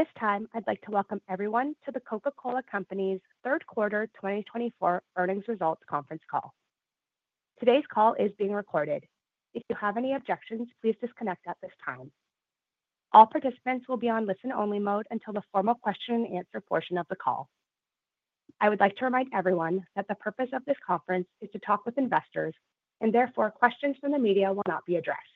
At this time, I'd like to welcome everyone to The Coca-Cola Company's Third Quarter 2024 Earnings Results Conference Call. Today's call is being recorded. If you have any objections, please disconnect at this time. All participants will be on listen-only mode until the formal question and answer portion of the call. I would like to remind everyone that the purpose of this conference is to talk with investors, and therefore, questions from the media will not be addressed.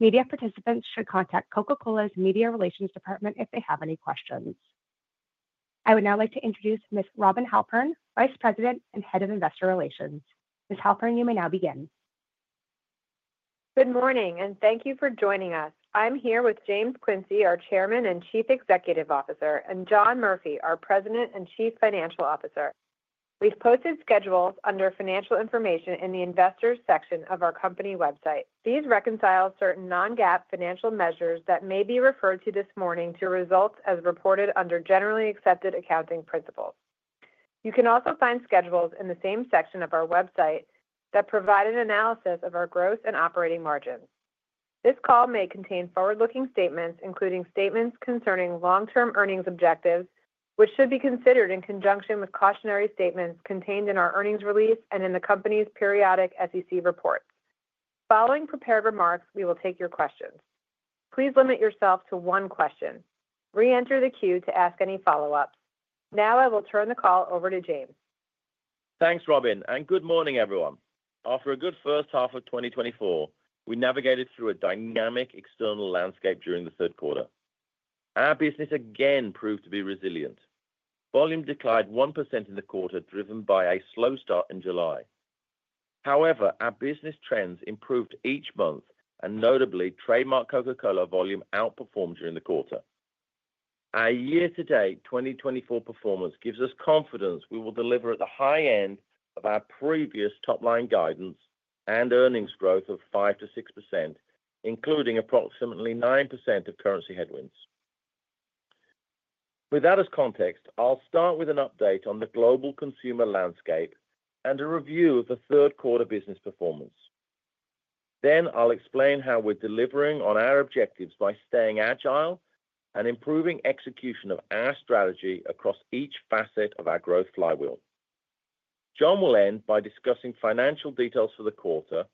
Media participants should contact Coca-Cola's Media Relations Department if they have any questions. I would now like to introduce Ms. Robin Halpern, Vice President and Head of Investor Relations. Ms. Halpern, you may now begin. Good morning, and thank you for joining us. I'm here with James Quincey, our Chairman and Chief Executive Officer, and John Murphy, our President and Chief Financial Officer. We've posted schedules under Financial Information in the Investors section of our company website. These reconcile certain non-GAAP financial measures that may be referred to this morning to results as reported under generally accepted accounting principles. You can also find schedules in the same section of our website that provide an analysis of our growth and operating margins. This call may contain forward-looking statements, including statements concerning long-term earnings objectives, which should be considered in conjunction with cautionary statements contained in our earnings release and in the company's periodic SEC reports. Following prepared remarks, we will take your questions. Please limit yourself to one question. Re-enter the queue to ask any follow-ups. Now I will turn the call over to James. Thanks, Robin, and good morning, everyone. After a good first half of 2024, we navigated through a dynamic external landscape during the third quarter. Our business again proved to be resilient. Volume declined 1% in the quarter, driven by a slow start in July. However, our business trends improved each month, and notably, Trademark Coca-Cola volume outperformed during the quarter. Our year-to-date 2024 performance gives us confidence we will deliver at the high end of our previous top-line guidance and earnings growth of 5%-6%, including approximately 9% of currency headwinds. With that as context, I'll start with an update on the global consumer landscape and a review of the third quarter business performance. Then I'll explain how we're delivering on our objectives by staying agile and improving execution of our strategy across each facet of our growth flywheel. John will end by discussing financial details for the quarter,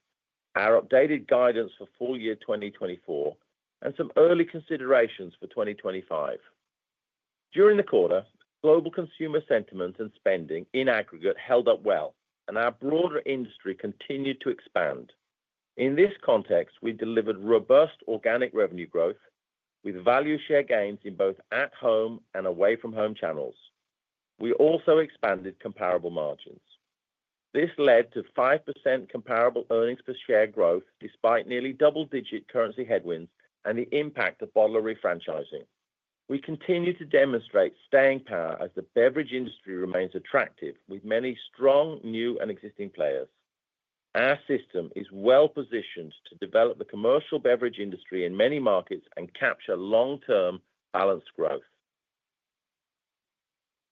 our updated guidance for full year 2024, and some early considerations for 2025. During the quarter, global consumer sentiment and spending in aggregate held up well, and our broader industry continued to expand. In this context, we delivered robust organic revenue growth with value share gains in both at-home and away-from-home channels. We also expanded comparable margins. This led to 5% comparable earnings per share growth, despite nearly double-digit currency headwinds and the impact of bottler refranchising. We continue to demonstrate staying power as the beverage industry remains attractive, with many strong, new, and existing players. Our system is well positioned to develop the commercial beverage industry in many markets and capture long-term balanced growth.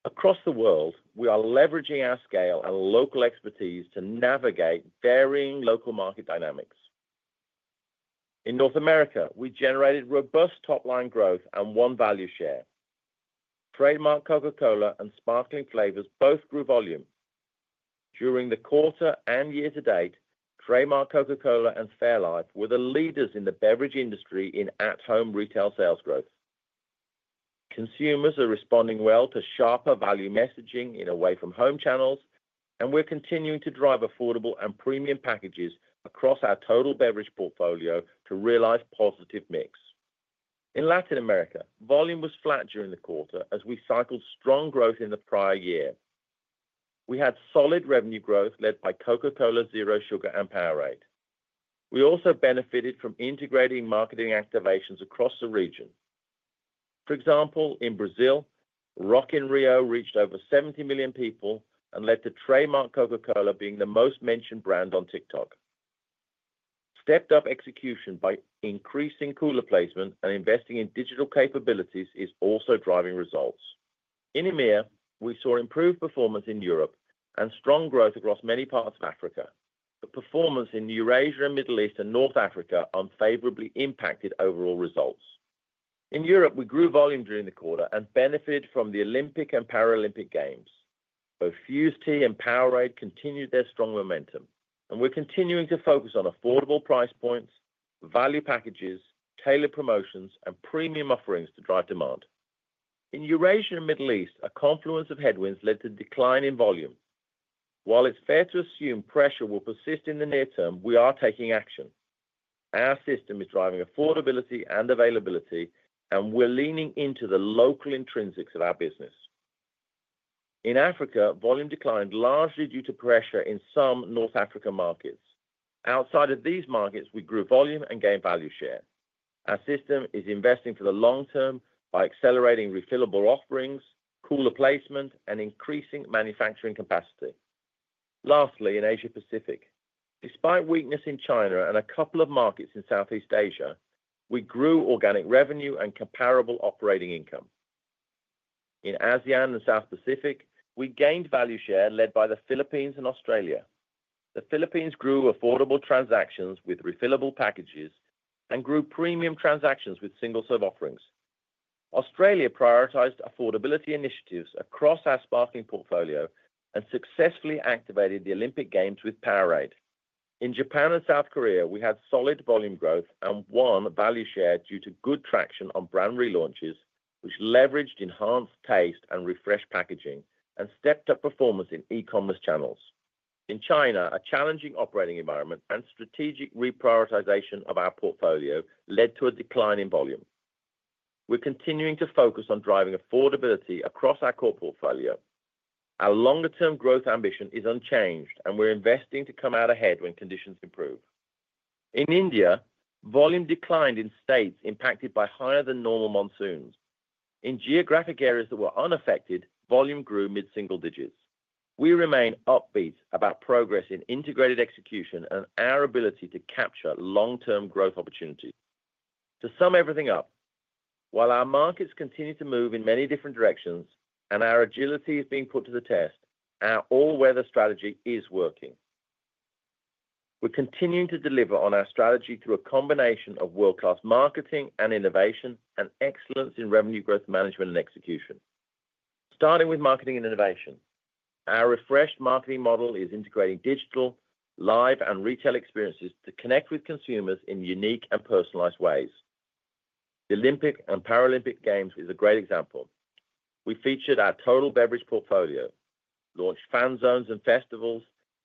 Across the world, we are leveraging our scale and local expertise to navigate varying local market dynamics. In North America, we generated robust top-line growth and won value share. Trademark Coca-Cola and Sparkling Flavors both grew volume. During the quarter and year to date, Trademark Coca-Cola and fairlife were the leaders in the beverage industry in at-home retail sales growth. Consumers are responding well to sharper value messaging in away-from-home channels, and we're continuing to drive affordable and premium packages across our total beverage portfolio to realize positive mix. In Latin America, volume was flat during the quarter as we cycled strong growth in the prior year. We had solid revenue growth led by Coca-Cola Zero Sugar and POWERADE. We also benefited from integrating marketing activations across the region. For example, in Brazil, Rock in Rio reached over seventy million people and led to Trademark Coca-Cola being the most mentioned brand on TikTok. Stepped up execution by increasing cooler placement and investing in digital capabilities is also driving results. In EMEA, we saw improved performance in Europe and strong growth across many parts of Africa, but performance in Eurasia, the Middle East, and North Africa unfavorably impacted overall results. In Europe, we grew volume during the quarter and benefited from the Olympic and Paralympic Games. Both Fuze Tea and POWERADE continued their strong momentum, and we're continuing to focus on affordable price points, value packages, tailored promotions, and premium offerings to drive demand. In Eurasia and the Middle East, a confluence of headwinds led to a decline in volume. While it's fair to assume pressure will persist in the near term, we are taking action. Our system is driving affordability and availability, and we're leaning into the local intrinsics of our business. In Africa, volume declined largely due to pressure in some North African markets. Outside of these markets, we grew volume and gained value share. Our system is investing for the long term by accelerating refillable offerings, cooler placement, and increasing manufacturing capacity. Lastly, in Asia Pacific, despite weakness in China and a couple of markets in Southeast Asia, we grew organic revenue and comparable operating income. In ASEAN and South Pacific, we gained value share led by the Philippines and Australia. The Philippines grew affordable transactions with refillable packages and grew premium transactions with single-serve offerings. Australia prioritized affordability initiatives across our sparkling portfolio and successfully activated the Olympic Games with POWERADE. In Japan and South Korea, we had solid volume growth and won value share due to good traction on brand relaunches, which leveraged enhanced taste and refreshed packaging and stepped up performance in e-commerce channels. In China, a challenging operating environment and strategic reprioritization of our portfolio led to a decline in volume. We're continuing to focus on driving affordability across our core portfolio. Our longer-term growth ambition is unchanged, and we're investing to come out ahead when conditions improve. In India, volume declined in states impacted by higher-than-normal monsoons. In geographic areas that were unaffected, volume grew mid-single digits. We remain upbeat about progress in integrated execution and our ability to capture long-term growth opportunities. To sum everything up, while our markets continue to move in many different directions and our agility is being put to the test, our all-weather strategy is working. We're continuing to deliver on our strategy through a combination of world-class marketing and innovation and excellence in Revenue Growth Management and execution. Starting with marketing and innovation, our refreshed marketing model is integrating digital, live, and retail experiences to connect with consumers in unique and personalized ways. The Olympic and Paralympic Games is a great example. We featured our total beverage portfolio, launched fan zones and festivals,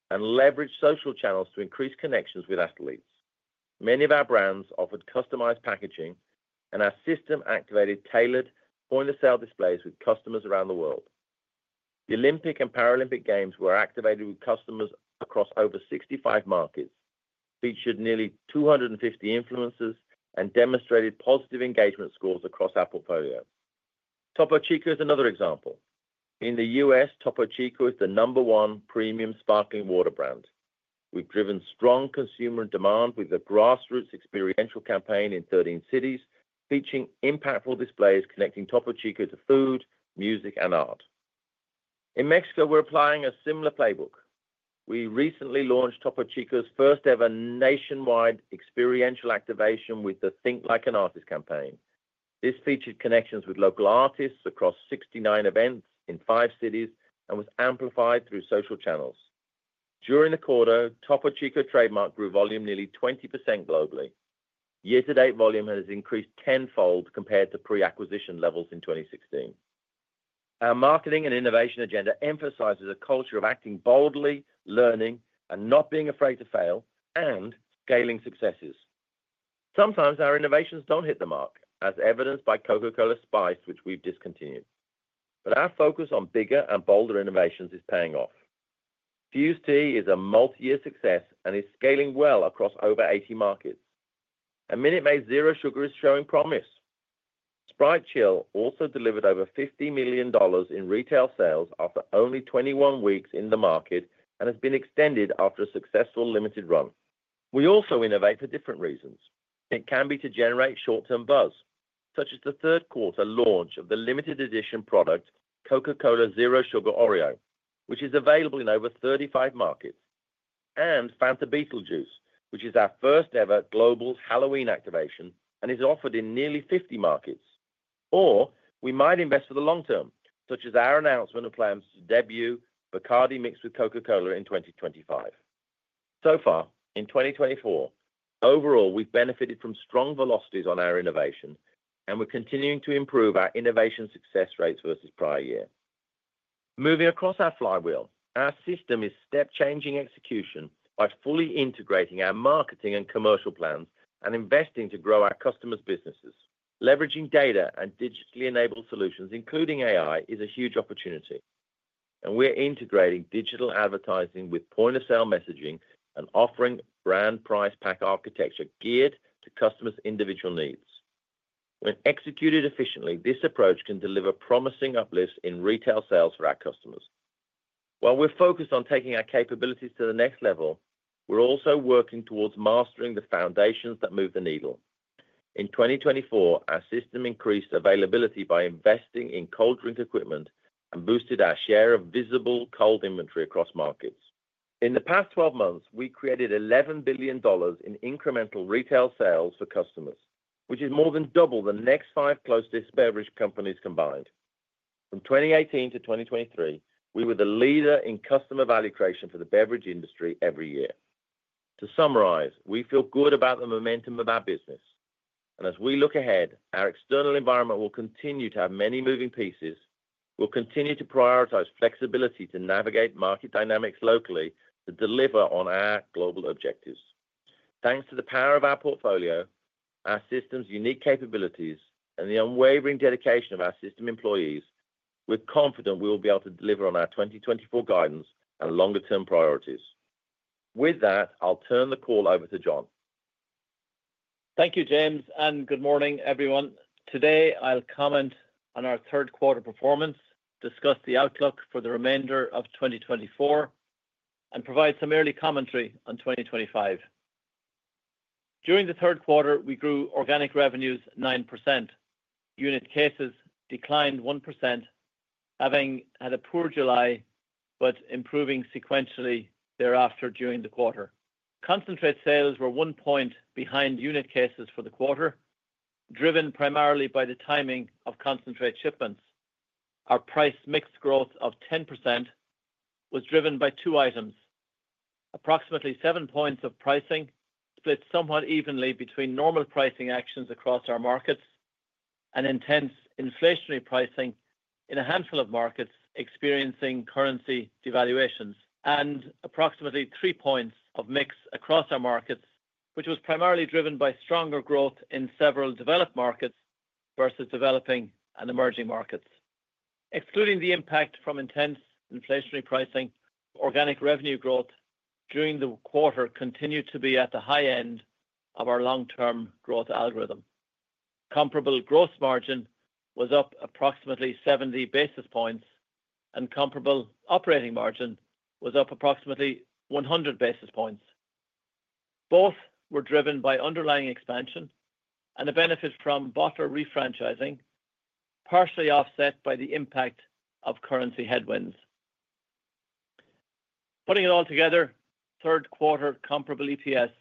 and leveraged social channels to increase connections with athletes. Many of our brands offered customized packaging, and our system activated tailored point-of-sale displays with customers around the world. The Olympic and Paralympic Games were activated with customers across over 65 markets, featured nearly 250 influencers, and demonstrated positive engagement scores across our portfolio. Topo Chico is another example. In the US, Topo Chico is the number one premium sparkling water brand. We've driven strong consumer demand with a grassroots experiential campaign in 13 cities, featuring impactful displays connecting Topo Chico to food, music, and art. In Mexico, we're applying a similar playbook. We recently launched Topo Chico's first-ever nationwide experiential activation with the Think Like an Artist campaign. This featured connections with local artists across 69 events in five cities and was amplified through social channels. During the quarter, Topo Chico trademark grew volume nearly 20% globally. Year-to-date volume has increased tenfold compared to pre-acquisition levels in 2016. Our marketing and innovation agenda emphasizes a culture of acting boldly, learning, and not being afraid to fail, and scaling successes. Sometimes our innovations don't hit the mark, as evidenced by Coca-Cola Spiced, which we've discontinued, but our focus on bigger and bolder innovations is paying off. Fuze Tea is a multi-year success and is scaling well across over 80 markets, and Minute Maid Zero Sugar is showing promise. Sprite Chill also delivered over $50 million in retail sales after only 21 weeks in the market and has been extended after a successful limited run. We also innovate for different reasons. It can be to generate short-term buzz, such as the third quarter launch of the limited edition product, Coca-Cola Zero Sugar OREO, which is available in over 35 markets, and Fanta Beetlejuice, which is our first-ever global Halloween activation and is offered in nearly 50 markets. Or we might invest for the long term, such as our announcement of plans to debut BACARDÍ Mixed with Coca-Cola in 2025. So far, in 2024, overall, we've benefited from strong velocities on our innovation, and we're continuing to improve our innovation success rates versus prior year. Moving across our flywheel, our system is step-changing execution by fully integrating our marketing and commercial plans and investing to grow our customers' businesses. Leveraging data and digitally enabled solutions, including AI, is a huge opportunity, and we are integrating digital advertising with point-of-sale messaging and offering brand price pack architecture geared to customers' individual needs. When executed efficiently, this approach can deliver promising uplifts in retail sales for our customers. While we're focused on taking our capabilities to the next level, we're also working towards mastering the foundations that move the needle. In 2024, our system increased availability by investing in cold drink equipment and boosted our share of visible cold inventory across markets. In the past 12 months, we created $11 billion in incremental retail sales for customers, which is more than double the next five closest beverage companies combined. From 2018 to 2023, we were the leader in customer value creation for the beverage industry every year. To summarize, we feel good about the momentum of our business, and as we look ahead, our external environment will continue to have many moving pieces. We'll continue to prioritize flexibility to navigate market dynamics locally to deliver on our global objectives. Thanks to the power of our portfolio, our system's unique capabilities, and the unwavering dedication of our system employees, we're confident we will be able to deliver on our 2024 guidance and longer-term priorities. With that, I'll turn the call over to John. Thank you, James, and good morning, everyone. Today, I'll comment on our third quarter performance, discuss the outlook for the remainder of 2024, and provide some early commentary on 2025. During the third quarter, we grew organic revenues 9%. Unit cases declined 1%, having had a poor July, but improving sequentially thereafter during the quarter. Concentrate sales were one point behind unit cases for the quarter, driven primarily by the timing of concentrate shipments. Our price mix growth of 10% was driven by two items. Approximately seven points of pricing split somewhat evenly between normal pricing actions across our markets and intense inflationary pricing in a handful of markets experiencing currency devaluations, and approximately three points of mix across our markets, which was primarily driven by stronger growth in several developed markets versus developing and emerging markets. Excluding the impact from intense inflationary pricing, organic revenue growth during the quarter continued to be at the high end of our long-term growth algorithm. Comparable gross margin was up approximately 70 basis points, and comparable operating margin was up approximately 100 basis points. Both were driven by underlying expansion and the benefit from bottler refranchising, partially offset by the impact of currency headwinds. Putting it all together, third quarter comparable EPS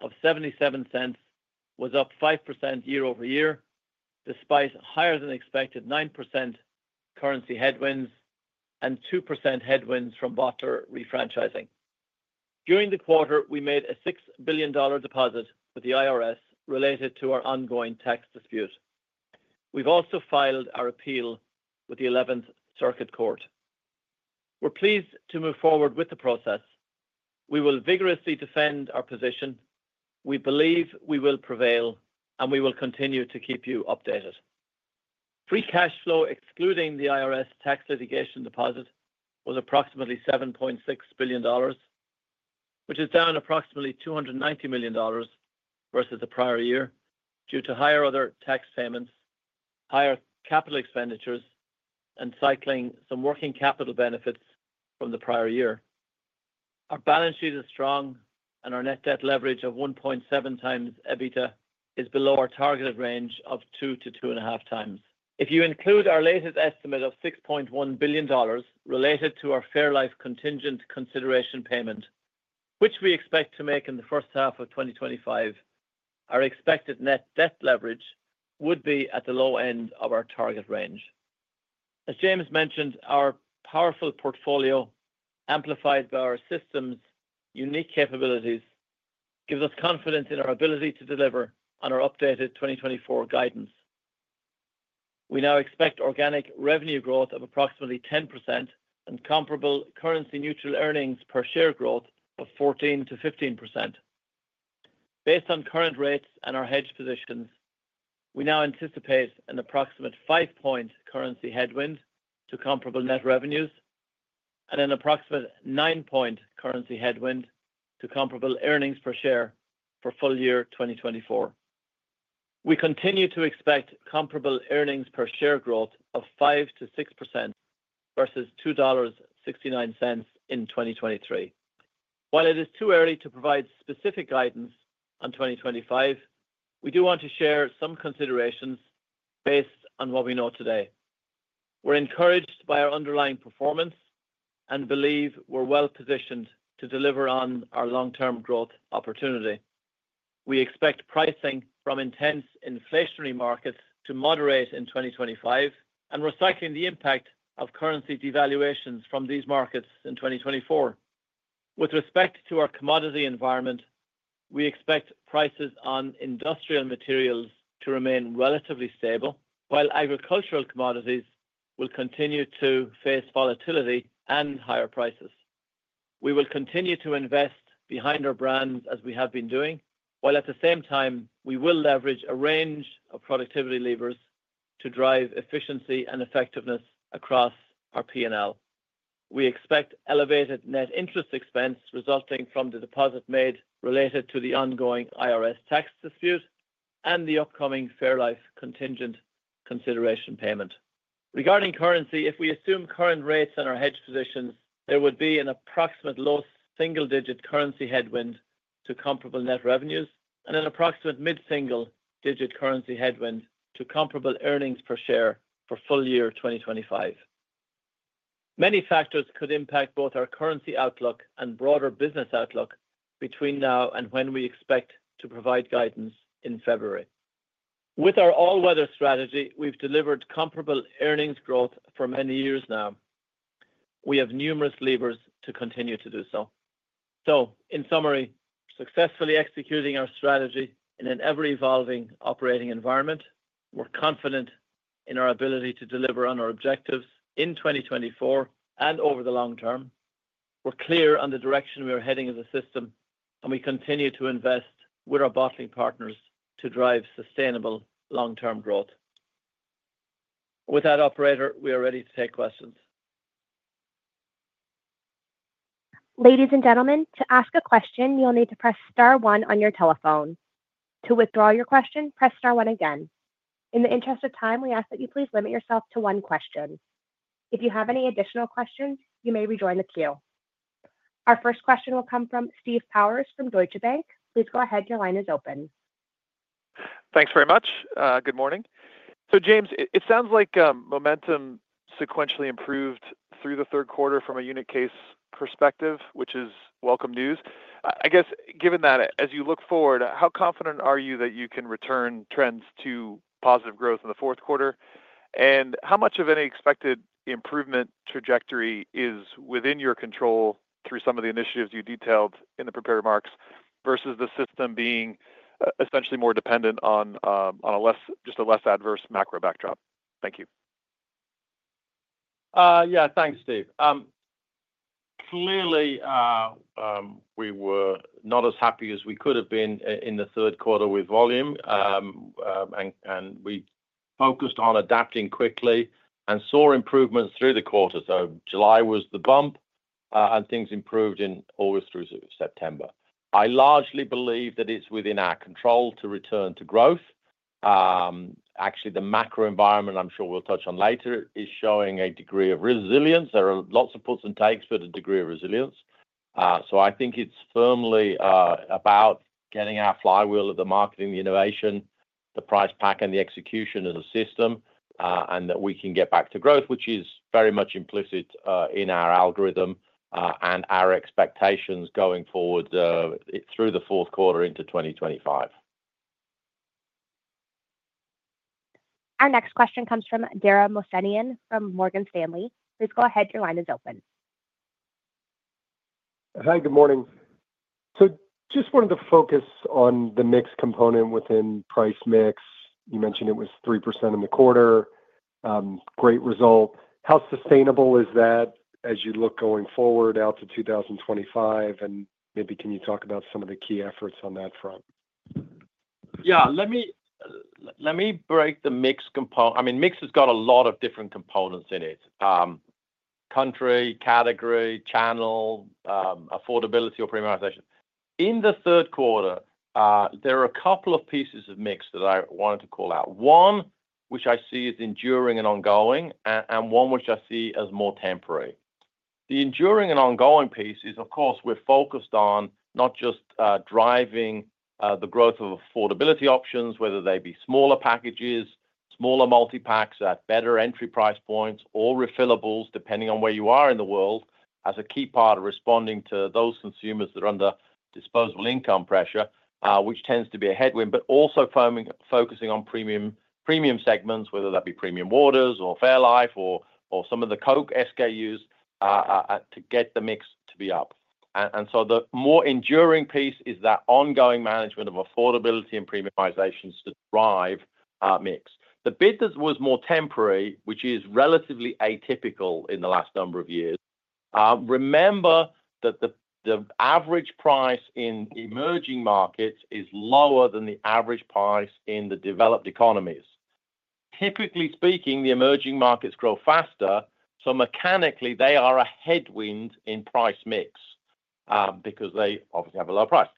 of $0.77 was up 5% year over year, despite higher-than-expected 9% currency headwinds and 2% headwinds from bottler refranchising. During the quarter, we made a $6 billion deposit with the IRS related to our ongoing tax dispute. We've also filed our appeal with the Eleventh Circuit Court. We're pleased to move forward with the process. We will vigorously defend our position. We believe we will prevail, and we will continue to keep you updated. Free cash flow, excluding the IRS tax litigation deposit, was approximately $7.6 billion, which is down approximately $290 million versus the prior year, due to higher other tax payments, higher capital expenditures, and cycling some working capital benefits from the prior year. Our balance sheet is strong, and our net debt leverage of 1.7 times EBITDA is below our targeted range of 2 to 2.5 times. If you include our latest estimate of $6.1 billion related to our fairlife contingent consideration payment, which we expect to make in the first half of 2025, our expected net debt leverage would be at the low end of our target range. As James mentioned, our powerful portfolio, amplified by our system's unique capabilities, gives us confidence in our ability to deliver on our updated 2024 guidance. We now expect organic revenue growth of approximately 10% and comparable currency-neutral earnings per share growth of 14-15%. Based on current rates and our hedge positions, we now anticipate an approximate five-point currency headwind to comparable net revenues and an approximate nine-point currency headwind to comparable earnings per share for full year 2024. We continue to expect comparable earnings per share growth of 5-6% versus $2.69 in 2023. While it is too early to provide specific guidance on 2025, we do want to share some considerations based on what we know today. We're encouraged by our underlying performance and believe we're well positioned to deliver on our long-term growth opportunity. We expect pricing from intense inflationary markets to moderate in 2025 and we're cycling the impact of currency devaluations from these markets in 2024. With respect to our commodity environment, we expect prices on industrial materials to remain relatively stable, while agricultural commodities will continue to face volatility and higher prices. We will continue to invest behind our brands as we have been doing, while at the same time, we will leverage a range of productivity levers to drive efficiency and effectiveness across our P&L. We expect elevated net interest expense resulting from the deposit made related to the ongoing IRS tax dispute and the upcoming fairlife contingent consideration payment. Regarding currency, if we assume current rates and our hedge positions, there would be an approximate low single-digit currency headwind to comparable net revenues and an approximate mid-single-digit currency headwind to comparable earnings per share for full year 2025. Many factors could impact both our currency outlook and broader business outlook between now and when we expect to provide guidance in February. With our all-weather strategy, we've delivered comparable earnings growth for many years now. We have numerous levers to continue to do so. So in summary, successfully executing our strategy in an ever-evolving operating environment, we're confident in our ability to deliver on our objectives in 2024 and over the long term. We're clear on the direction we are heading as a system, and we continue to invest with our bottling partners to drive sustainable long-term growth. With that, operator, we are ready to take questions. Ladies and gentlemen, to ask a question, you'll need to press star one on your telephone. To withdraw your question, press star one again. In the interest of time, we ask that you please limit yourself to one question. If you have any additional questions, you may rejoin the queue. Our first question will come from Steve Powers from Deutsche Bank. Please go ahead. Your line is open. Thanks very much. Good morning. So, James, it sounds like momentum sequentially improved through the third quarter from a unit case perspective, which is welcome news. I guess, given that, as you look forward, how confident are you that you can return trends to positive growth in the fourth quarter? And how much of any expected improvement trajectory is within your control through some of the initiatives you detailed in the prepared remarks, versus the system being essentially more dependent on a less adverse macro backdrop? Thank you. Yeah, thanks, Steve. Clearly, we were not as happy as we could have been in the third quarter with volume, and we focused on adapting quickly and saw improvements through the quarter, so July was the bump, and things improved in August through September. I largely believe that it's within our control to return to growth. Actually, the macro environment, I'm sure we'll touch on later, is showing a degree of resilience. There are lots of puts and takes, but a degree of resilience. So I think it's firmly about getting our flywheel of the marketing, the innovation, the price pack, and the execution of the system, and that we can get back to growth, which is very much implicit in our algorithm and our expectations going forward through the fourth quarter into 2025. Our next question comes from Dara Mohsenian from Morgan Stanley. Please go ahead. Your line is open. Hi, good morning. Just wanted to focus on the mix component within price mix. You mentioned it was 3% in the quarter, great result. How sustainable is that as you look going forward out to 2025? And maybe can you talk about some of the key efforts on that front? Yeah, let me. I mean, mix has got a lot of different components in it. Country, category, channel, affordability or premiumization. In the third quarter, there are a couple of pieces of mix that I wanted to call out. One, which I see as enduring and ongoing, and one which I see as more temporary. The enduring and ongoing piece is, of course, we're focused on not just driving the growth of affordability options, whether they be smaller packages, smaller multi-packs at better entry price points or refillables, depending on where you are in the world, as a key part of responding to those consumers that are under disposable income pressure, which tends to be a headwind, but also focusing on premium segments, whether that be premium waters or fairlife or some of the Coke SKUs, to get the mix to be up. And so the more enduring piece is that ongoing management of affordability and premiumization to drive mix. The bit that was more temporary, which is relatively atypical in the last number of years. Remember that the average price in emerging markets is lower than the average price in the developed economies. Typically speaking, the emerging markets grow faster, so mechanically, they are a headwind in price mix, because they obviously have a lower price.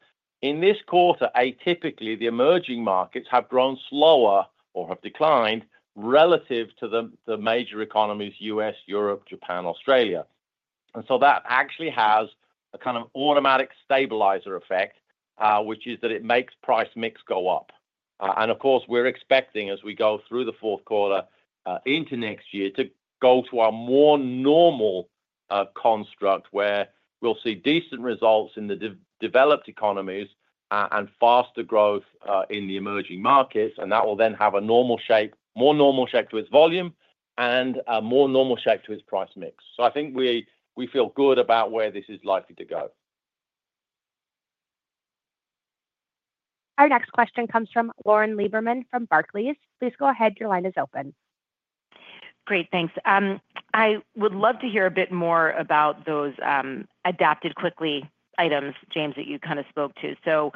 In this quarter, atypically, the emerging markets have grown slower or have declined relative to the major economies, U.S., Europe, Japan, Australia. And so that actually has a kind of automatic stabilizer effect, which is that it makes price mix go up. And of course, we're expecting, as we go through the fourth quarter, into next year, to go to a more normal construct, where we'll see decent results in the developed economies, and faster growth in the emerging markets, and that will then have a normal shape, more normal shape to its volume and a more normal shape to its price mix. So I think we feel good about where this is likely to go. Our next question comes from Lauren Lieberman from Barclays. Please go ahead. Your line is open. Great, thanks. I would love to hear a bit more about those adapted quickly items, James, that you kind of spoke to. So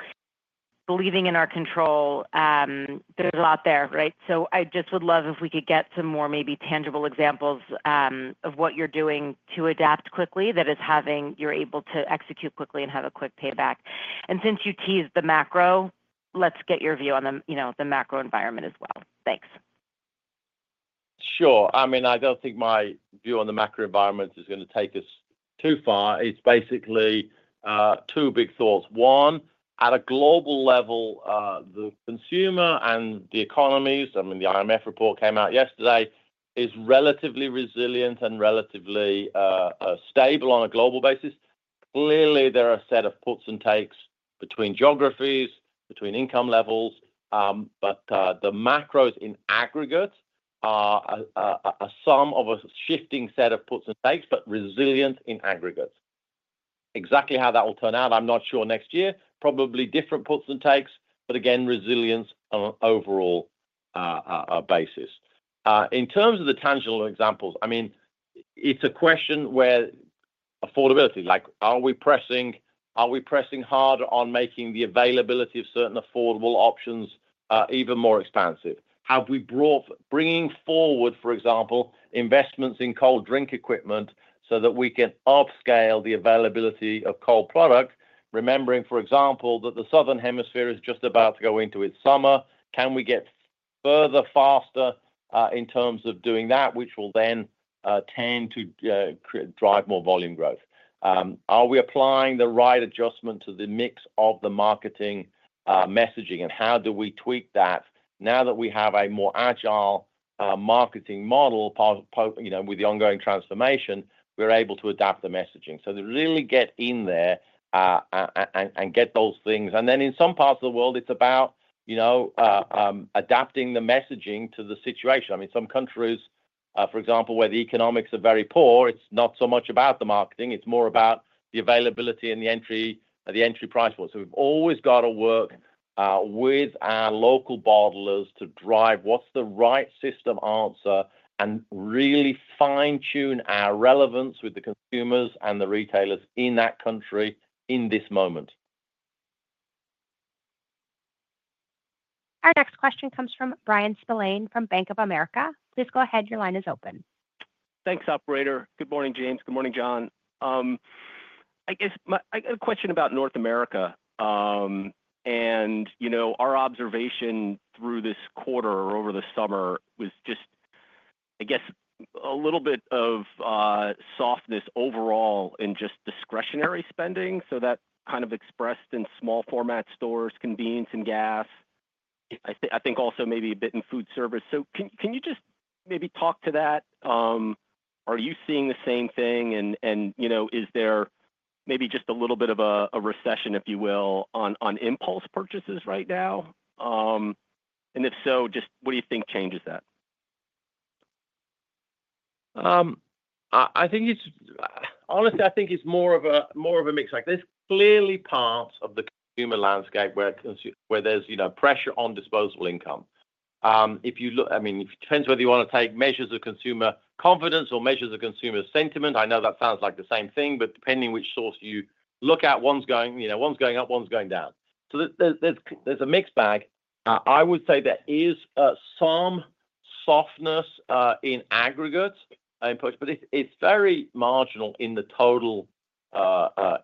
believing in our control, there's a lot there, right? So I just would love if we could get some more, maybe tangible examples of what you're doing to adapt quickly that is having... you're able to execute quickly and have a quick payback. And since you teased the macro, let's get your view on the, you know, the macro environment as well. Thanks. Sure. I mean, I don't think my view on the macro environment is going to take us too far. It's basically two big thoughts. One, at a global level, the consumer and the economies, I mean, the IMF report came out yesterday, is relatively resilient and relatively stable on a global basis. Clearly, there are a set of puts and takes between geographies, between income levels, but the macros in aggregate are a sum of a shifting set of puts and takes, but resilient in aggregate. Exactly how that will turn out, I'm not sure next year. Probably different puts and takes, but again, resilience on an overall basis. In terms of the tangible examples, I mean, it's a question where affordability, like, are we pressing, are we pressing harder on making the availability of certain affordable options, even more expansive? Have we bringing forward, for example, investments in cold drink equipment so that we can upscale the availability of cold products, remembering, for example, that the Southern Hemisphere is just about to go into its summer. Can we get further, faster, in terms of doing that, which will then tend to drive more volume growth. Are we applying the right adjustment to the mix of the marketing, messaging, and how do we tweak that? Now that we have a more agile marketing model, you know, with the ongoing transformation, we're able to adapt the messaging. So to really get in there and get those things. And then in some parts of the world, it's about, you know, adapting the messaging to the situation. I mean, some countries, for example, where the economics are very poor, it's not so much about the marketing, it's more about the availability and the entry price point. So we've always got to work with our local bottlers to drive what's the right system answer, and really fine-tune our relevance with the consumers and the retailers in that country in this moment. Our next question comes from Bryan Spillane from Bank of America. Please go ahead. Your line is open. Thanks, operator. Good morning, James. Good morning, John. I guess a question about North America. And, you know, our observation through this quarter or over the summer was just, I guess, a little bit of softness overall in just discretionary spending, so that kind of expressed in small format stores, convenience and gas. I think also maybe a bit in food service. So can you just maybe talk to that? Are you seeing the same thing? And, you know, is there maybe just a little bit of a recession, if you will, on impulse purchases right now? And if so, just what do you think changes that? I think it's honestly, I think it's more of a mixed bag. There's clearly parts of the consumer landscape where there's, you know, pressure on disposable income. If you look, I mean, it depends whether you want to take measures of consumer confidence or measures of consumer sentiment. I know that sounds like the same thing, but depending on which source you look at, one's going, you know, one's going up, one's going down. So there, there's a mixed bag. I would say there is some softness in aggregate inputs, but it's very marginal in the total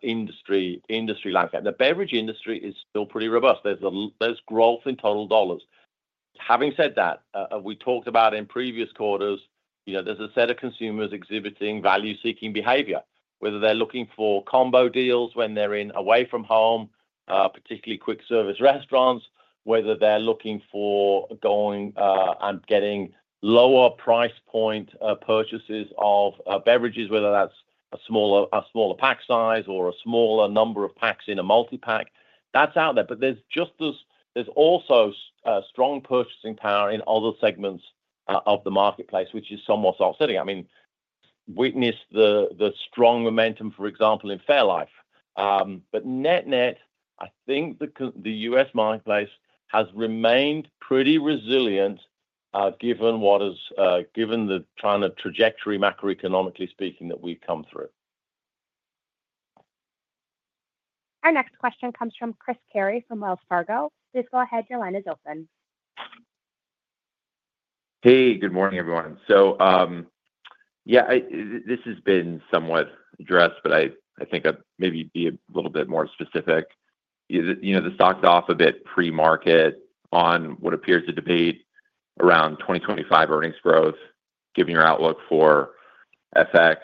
industry landscape. The beverage industry is still pretty robust. There's growth in total dollars. Having said that, we talked about in previous quarters, you know, there's a set of consumers exhibiting value-seeking behavior, whether they're looking for combo deals when they're in away from home, particularly quick service restaurants. Whether they're looking for going and getting lower price point purchases of beverages, whether that's a smaller pack size or a smaller number of packs in a multi-pack. That's out there, but there's also strong purchasing power in other segments of the marketplace, which is somewhat offsetting. I mean, witness the strong momentum, for example, in fairlife. But net-net, I think the U.S. marketplace has remained pretty resilient, given what is given the kind of trajectory, macroeconomically speaking, that we've come through. Our next question comes from Chris Carey from Wells Fargo. Please go ahead. Your line is open. Hey, good morning, everyone. So, this has been somewhat addressed, but I think I'd maybe be a little bit more specific. You know, the stock's off a bit pre-market on what appears to be debate around 2025 earnings growth, given your outlook for FX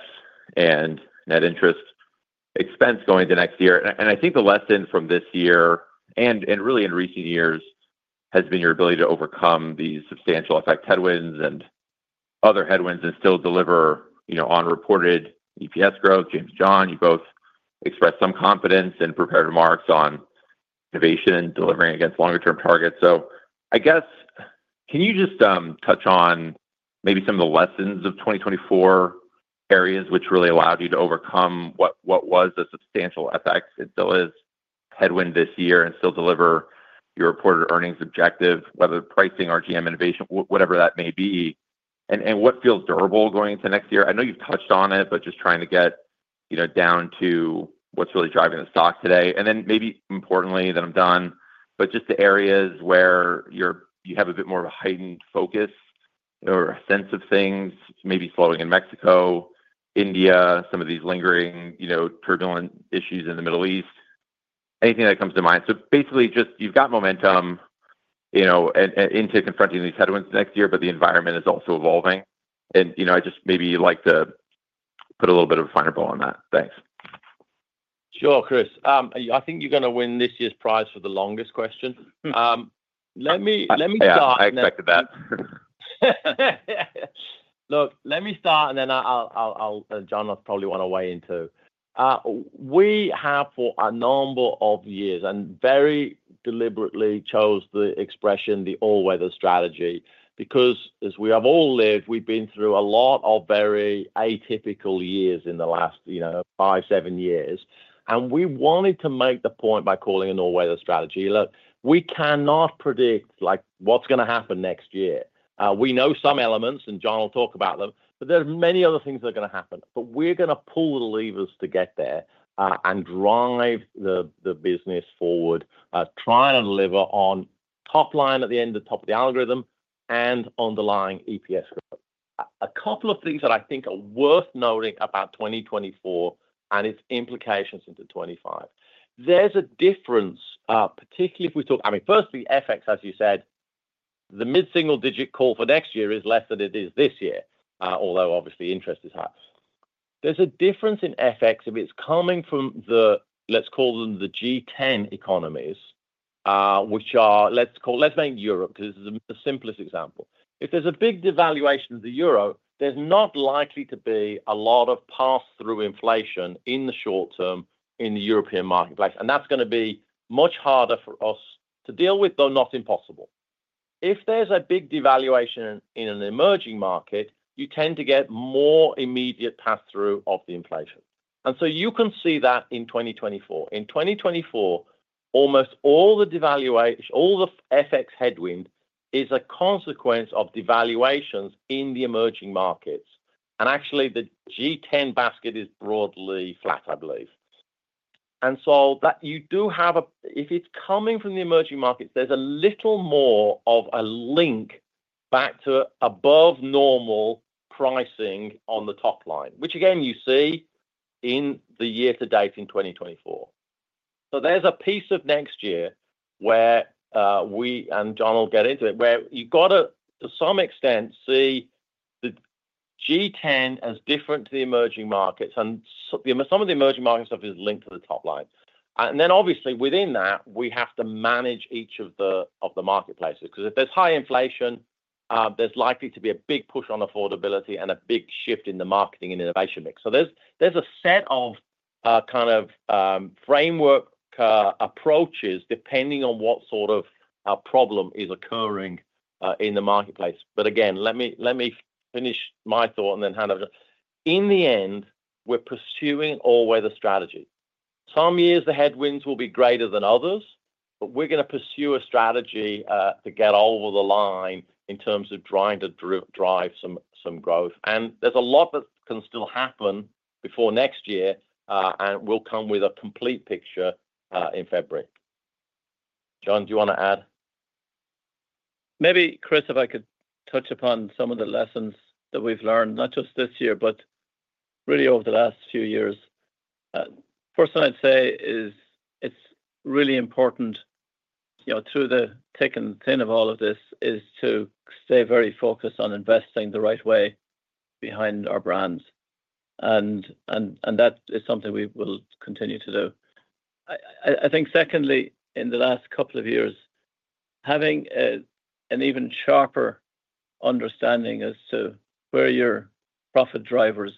and net interest expense going into next year. And I think the lesson from this year, and really in recent years, has been your ability to overcome these substantial FX headwinds and other headwinds and still deliver, you know, on reported EPS growth. James, John, you both expressed some confidence in prepared remarks on innovation and delivering against longer-term targets. So I guess, can you just touch on maybe some of the lessons of 2024, areas which really allowed you to overcome what was a substantial FX? It still is headwind this year and still deliver your reported earnings objective, whether pricing, RGM, innovation, whatever that may be, and what feels durable going into next year. I know you've touched on it, but just trying to get, you know, down to what's really driving the stock today. And then, maybe importantly, then I'm done, but just the areas where you have a bit more of a heightened focus or a sense of things maybe slowing in Mexico, India, some of these lingering, you know, turbulent issues in the Middle East. Anything that comes to mind. So basically, just you've got momentum, you know, into confronting these headwinds next year, but the environment is also evolving. And, you know, I'd just maybe you'd like to put a little bit of a finer bow on that. Thanks. Sure, Chris. I think you're gonna win this year's prize for the longest question. Let me, let me start- Yeah, I expected that. Look, let me start, and then I'll. John will probably want to weigh in, too. We have for a number of years, and very deliberately chose the expression, the all-weather strategy, because as we have all lived, we've been through a lot of very atypical years in the last, you know, five, seven years. And we wanted to make the point by calling it all-weather strategy. Look, we cannot predict, like, what's gonna happen next year. We know some elements, and John will talk about them, but there are many other things that are gonna happen. But we're gonna pull the levers to get there, and drive the business forward, try and deliver on top line at the end, the top of the algorithm and underlying EPS growth. A couple of things that I think are worth noting about 2024 and its implications into 2025. There's a difference, particularly if we talk—I mean, firstly, FX, as you said, the mid-single digit call for next year is less than it is this year, although obviously interest is high. There's a difference in FX if it's coming from the, let's call them the G10 economies, which are, let's make Europe, because this is the simplest example. If there's a big devaluation of the euro, there's not likely to be a lot of pass-through inflation in the short term in the European marketplace, and that's gonna be much harder for us to deal with, though not impossible. If there's a big devaluation in an emerging market, you tend to get more immediate pass-through of the inflation, and so you can see that in 2024. In 2024, almost all the devaluation, all the FX headwind is a consequence of devaluations in the emerging markets, and actually, the G10 basket is broadly flat, I believe. And so that you do have. If it's coming from the emerging markets, there's a little more of a link back to above normal pricing on the top line, which again, you see in the year to date in 2024. So there's a piece of next year where, we, and John will get into it, where you've got to some extent, see the G10 as different to the emerging markets, and some of the emerging market stuff is linked to the top line. And then obviously, within that, we have to manage each of the marketplaces, because if there's high inflation, there's likely to be a big push on affordability and a big shift in the marketing and innovation mix. So there's a set of kind of framework approaches depending on what sort of a problem is occurring in the marketplace. But again, let me finish my thought and then hand over. In the end, we're pursuing all-weather strategy. Some years the headwinds will be greater than others, but we're gonna pursue a strategy to get over the line in terms of trying to drive some growth. And there's a lot that can still happen before next year, and we'll come with a complete picture in February. John, do you wanna add? Maybe, Chris, if I could touch upon some of the lessons that we've learned, not just this year, but really over the last few years. First thing I'd say is, it's really important, you know, through the thick and thin of all of this, is to stay very focused on investing the right way behind our brands, and that is something we will continue to do. I think secondly, in the last couple of years, having an even sharper understanding as to where your profit drivers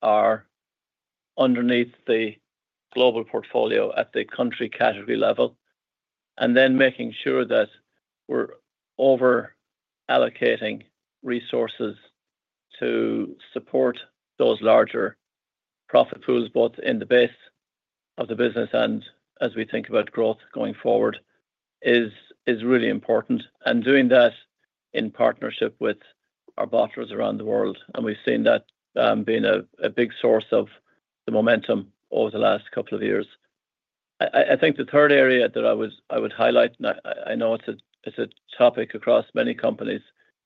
are underneath the global portfolio at the country category level, and then making sure that we're over-allocating resources to support those larger profit pools, both in the base of the business and as we think about growth going forward, is really important. And doing that in partnership with our bottlers around the world, and we've seen that being a big source of the momentum over the last couple of years. I think the third area that I would highlight, and I know it's a topic across many companies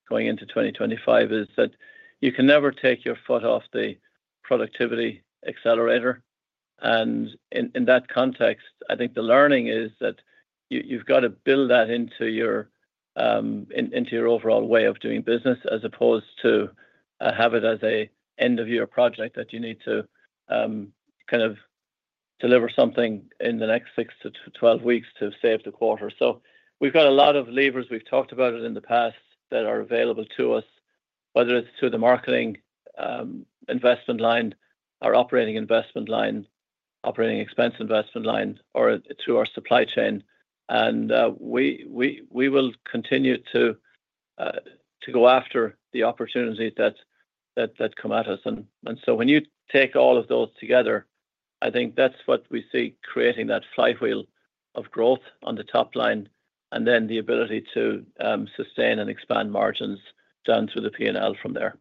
going into 2025, is that you can never take your foot off the productivity accelerator. And in that context, I think the learning is that you've got to build that into your overall way of doing business, as opposed to have it as an end-of-year project that you need to kind of deliver something in the next six to 12 weeks to save the quarter. So we've got a lot of levers, we've talked about it in the past, that are available to us, whether it's through the marketing investment line or operating investment line, operating expense investment line, or through our supply chain. And we will continue to go after the opportunities that come at us. And so when you take all of those together, I think that's what we see creating that flywheel of growth on the top line, and then the ability to sustain and expand margins down through the P&L from there.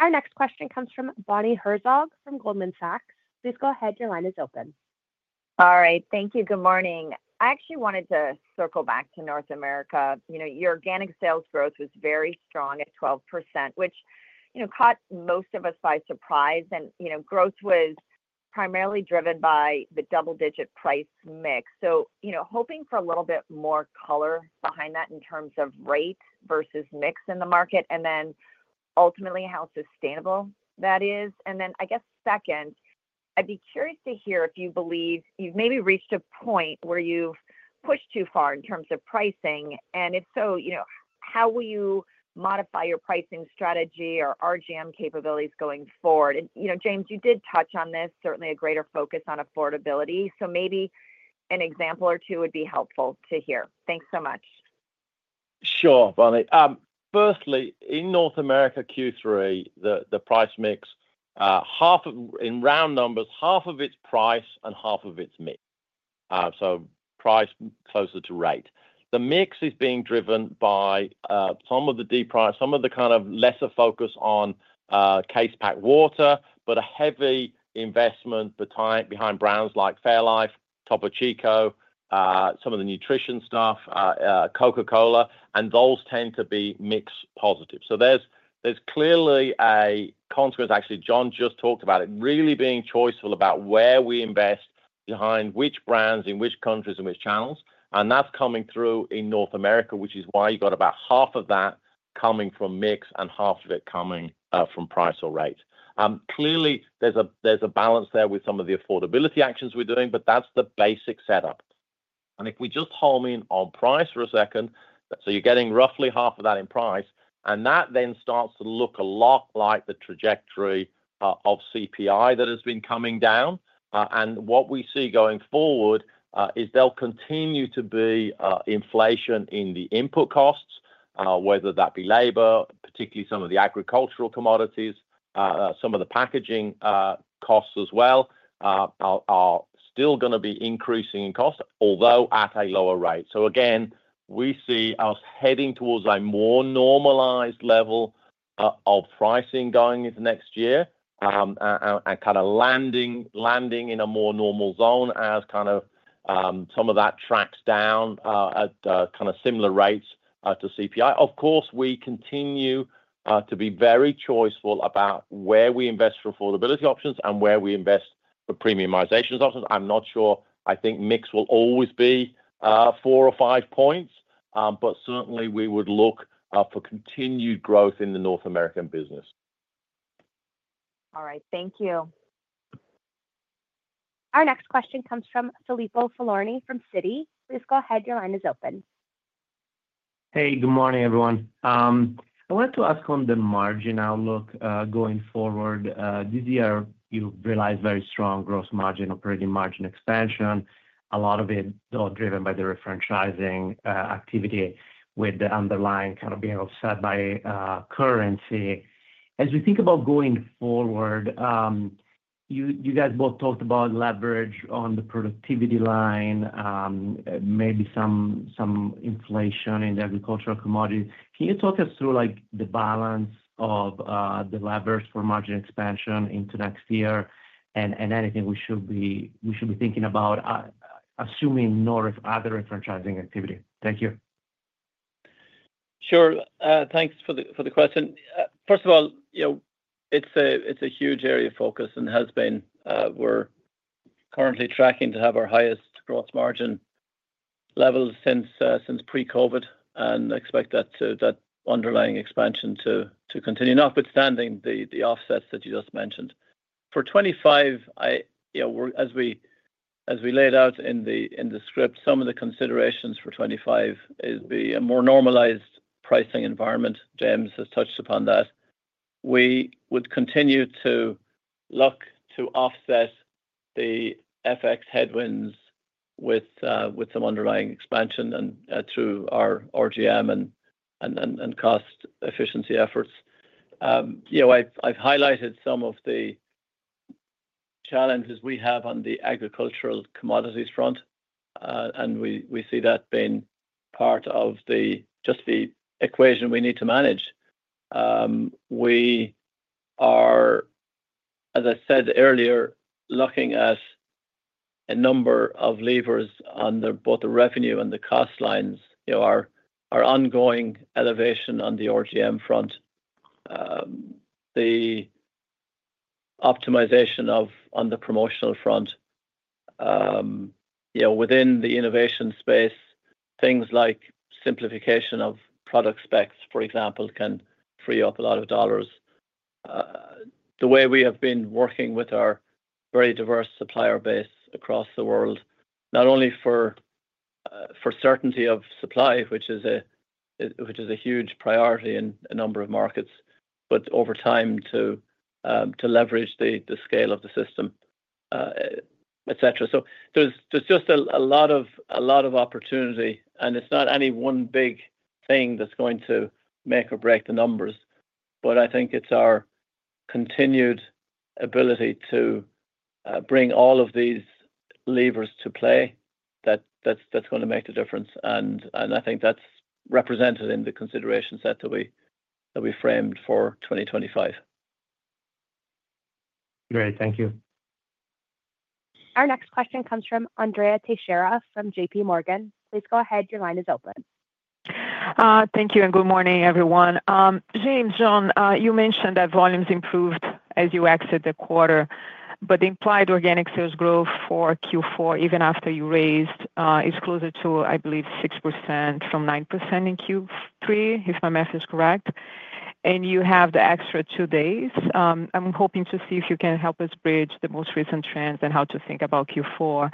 Our next question comes from Bonnie Herzog from Goldman Sachs. Please go ahead, your line is open. All right. Thank you. Good morning. I actually wanted to circle back to North America. You know, your organic sales growth was very strong at 12%, which, you know, caught most of us by surprise, and you know, growth was primarily driven by the double-digit price mix, so you know, hoping for a little bit more color behind that in terms of rate versus mix in the market, and then ultimately, how sustainable that is, and then, I guess second, I'd be curious to hear if you believe you've maybe reached a point where you've pushed too far in terms of pricing, and if so, you know, how will you modify your pricing strategy or RGM capabilities going forward, and you know, James, you did touch on this, certainly a greater focus on affordability, so maybe an example or two would be helpful to hear. Thanks so much. Sure, Bonnie. Firstly, in North America, Q3, the price mix, half of... In round numbers, half of it's price and half of it's mix. So price closer to rate. The mix is being driven by some of the kind of lesser focus on case pack water, but a heavy investment behind brands like fairlife- Topo Chico, some of the nutrition stuff, Coca-Cola, and those tend to be mixed positive, so there's clearly a consequence. Actually, John just talked about it, really being choiceful about where we invest behind which brands, in which countries, and which channels, and that's coming through in North America, which is why you got about half of that coming from mix and half of it coming from price or rate. Clearly, there's a balance there with some of the affordability actions we're doing, but that's the basic setup, and if we just home in on price for a second, so you're getting roughly half of that in price, and that then starts to look a lot like the trajectory of CPI that has been coming down. And what we see going forward is there'll continue to be inflation in the input costs, whether that be labor, particularly some of the agricultural commodities, some of the packaging costs as well, are still gonna be increasing in cost, although at a lower rate. So again, we see us heading towards a more normalized level of pricing going into next year, and kind of landing in a more normal zone as kind of some of that tracks down at kind of similar rates to CPI. Of course, we continue to be very choiceful about where we invest for affordability options and where we invest for premiumization options. I'm not sure, I think mix will always be four or five points, but certainly, we would look for continued growth in the North American business. All right. Thank you. Our next question comes from Filippo Falorni from Citi. Please go ahead. Your line is open. Hey, good morning, everyone. I wanted to ask on the margin outlook, going forward. This year, you realized very strong gross margin, operating margin expansion, a lot of it driven by the refranchising activity, with the underlying kind of being offset by currency. As you think about going forward, you guys both talked about leverage on the productivity line, maybe some inflation in the agricultural commodities. Can you talk us through, like, the balance of the levers for margin expansion into next year and anything we should be thinking about, assuming no other refranchising activity? Thank you. Sure. Thanks for the question. First of all, you know, it's a huge area of focus and has been. We're currently tracking to have our highest growth margin levels since pre-COVID, and expect that underlying expansion to continue, notwithstanding the offsets that you just mentioned. For twenty-five, you know, as we laid out in the script, some of the considerations for twenty-five is the more normalized pricing environment. James has touched upon that. We would continue to look to offset the FX headwinds with some underlying expansion and through our RGM and cost efficiency efforts. You know, I've highlighted some of the challenges we have on the agricultural commodities front, and we see that being part of just the equation we need to manage. We are, as I said earlier, looking at a number of levers on both the revenue and the cost lines. You know, our ongoing elevation on the RGM front, the optimization on the promotional front. You know, within the innovation space, things like simplification of product specs, for example, can free up a lot of dollars. The way we have been working with our very diverse supplier base across the world, not only for certainty of supply, which is a huge priority in a number of markets, but over time to leverage the scale of the system, et cetera. So there's just a lot of opportunity, and it's not any one big thing that's going to make or break the numbers, but I think it's our continued ability to bring all of these levers to play that's gonna make the difference. And I think that's represented in the consideration set that we framed for 2025. Great. Thank you. Our next question comes from Andrea Teixeira from JPMorgan. Please go ahead. Your line is open. Thank you, and good morning, everyone. James, John, you mentioned that volumes improved as you exit the quarter, but the implied organic sales growth for Q4, even after you raised, is closer to, I believe, 6% from 9% in Q3, if my math is correct, and you have the extra two days. I'm hoping to see if you can help us bridge the most recent trends and how to think about Q4.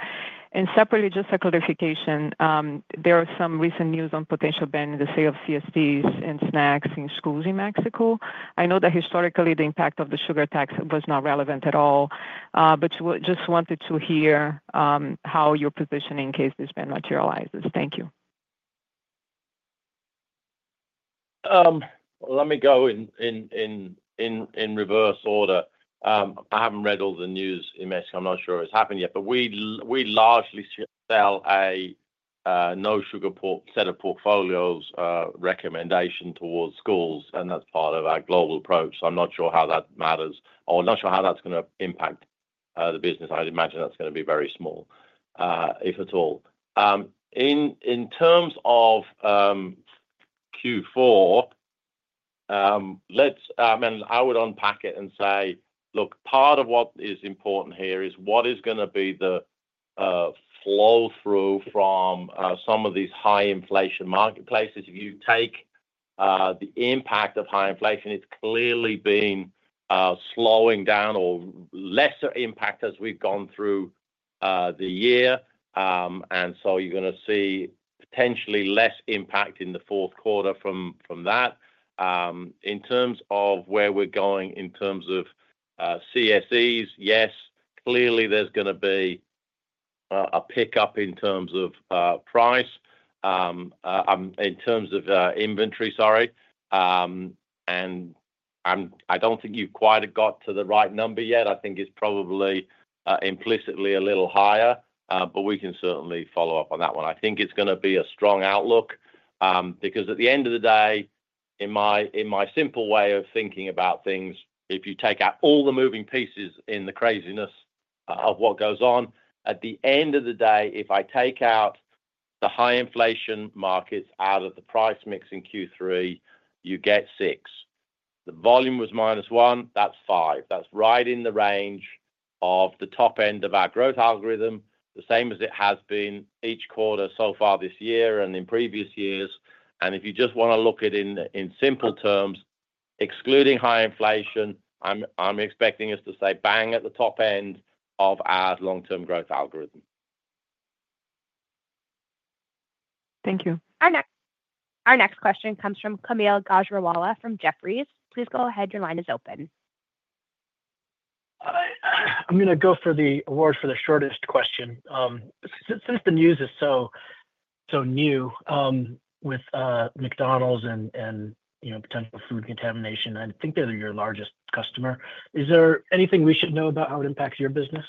And separately, just a clarification, there are some recent news on potential ban in the sale of CSDs and snacks in schools in Mexico. I know that historically, the impact of the sugar tax was not relevant at all, but just wanted to hear how you're positioning in case this ban materializes. Thank you. Let me go in reverse order. I haven't read all the news in Mexico. I'm not sure what has happened yet, but we largely sell no-sugar portfolio set of portfolios recommendation towards schools, and that's part of our global approach, so I'm not sure how that matters, or I'm not sure how that's gonna impact the business. I'd imagine that's gonna be very small, if at all. In terms of Q4, let's and I would unpack it and say, look, part of what is important here is what is gonna be the flow-through from some of these high-inflation marketplaces. If you take the impact of high inflation, it's clearly been slowing down or lesser impact as we've gone through the year. And so you're gonna see potentially less impact in the fourth quarter from that. In terms of where we're going, in terms of CSDs, yes, clearly there's gonna be a pickup in terms of price, in terms of inventory, sorry. I don't think you've quite got to the right number yet. I think it's probably implicitly a little higher, but we can certainly follow up on that one. I think it's gonna be a strong outlook, because at the end of the day, in my simple way of thinking about things, if you take out all the moving pieces in the craziness of what goes on, at the end of the day, if I take out the high inflation markets out of the price mix in Q3, you get six. The volume was -1%, that's 5%. That's right in the range of the top end of our growth algorithm, the same as it has been each quarter so far this year and in previous years. If you just wanna look at it in simple terms, excluding high inflation, I'm expecting us to stay bang at the top end of our long-term growth algorithm. Thank you. Our next question comes from Kaumil Gajrawala from Jefferies. Please go ahead, your line is open. I'm gonna go for the award for the shortest question. Since the news is so new, with McDonald's and you know, potential food contamination, I think they're your largest customer. Is there anything we should know about how it impacts your business?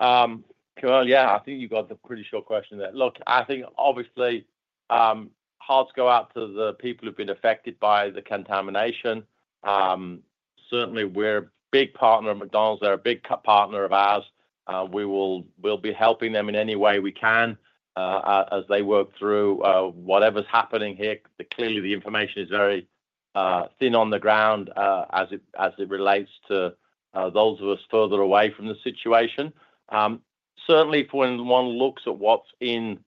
Yeah, I think you got the pretty short question there. Look, I think obviously hearts go out to the people who've been affected by the contamination. Certainly we're a big partner of McDonald's. They're a big partner of ours. We'll be helping them in any way we can as they work through whatever's happening here. Clearly, the information is very thin on the ground as it relates to those of us further away from the situation. Certainly, when one looks at what's in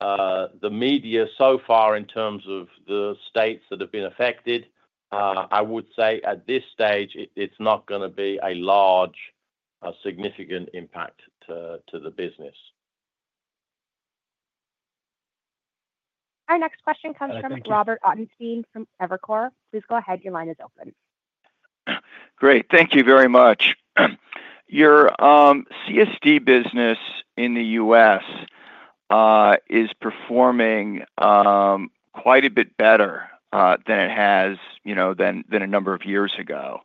the media so far in terms of the states that have been affected, I would say at this stage it's not gonna be a large significant impact to the business. Our next question. Thank you Comes from Robert Ottenstein from Evercore. Please go ahead. Your line is open. Great. Thank you very much. Your CSD business in the U.S. is performing quite a bit better than it has, you know, than a number of years ago,